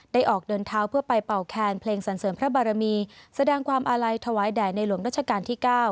ออกเดินเท้าเพื่อไปเป่าแคนเพลงสรรเสริมพระบารมีแสดงความอาลัยถวายแด่ในหลวงราชการที่๙